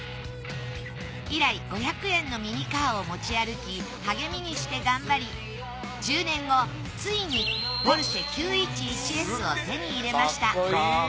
以来５００円のミニカーを持ち歩き励みにして頑張り１０年後ついにポルシェ９１１Ｓを手に入れました。